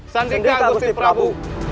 sandika gusti prabu